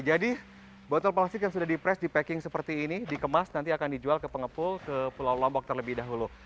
jadi botol plastik yang sudah di press di packing seperti ini dikemas nanti akan dijual ke pengepul ke pulau lombok terlebih dahulu